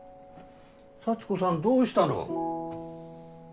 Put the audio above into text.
幸子さんどうしたの？